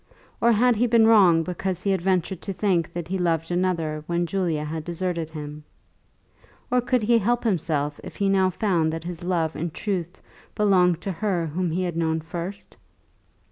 Or had he been wrong because he had ventured to think that he loved another when Julia had deserted him? Or could he help himself if he now found that his love in truth belonged to her whom he had known first?